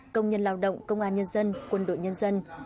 công nhân lao động công an nhân dân quân đội nhân dân